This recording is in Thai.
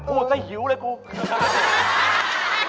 โอ๊ยใส่หิวเลยกู